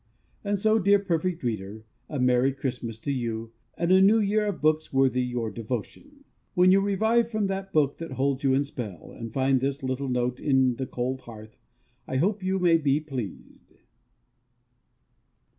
And so, dear Perfect Reader, a Merry Christmas to you and a New Year of books worthy your devotion! When you revive from that book that holds you in spell, and find this little note on the cold hearth, I hope you may be pleased.